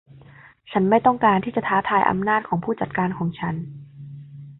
ฉันไม่ต้องการที่จะท้าทายอำนาจของผู้จัดการของฉัน